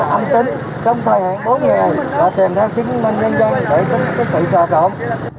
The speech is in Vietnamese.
âm tính trong thời hạn bốn ngày là tìm theo chứng minh nhân dân để chứng kiến sự sợ động